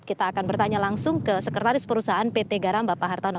kita akan bertanya langsung ke sekretaris perusahaan pt garam bapak hartono